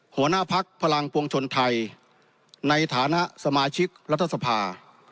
หัวหน้าพักพลังปวงชนไทยในฐานะสมาชิกรัฐสภา